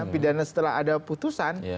pidana setelah ada putusan